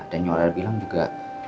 dan yolanda bilang juga